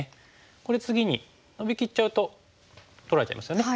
これ次にノビきっちゃうと取られちゃいますよね。